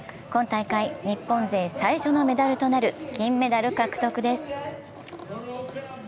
今大会日本勢最初のメダルとなる金メダル獲得です。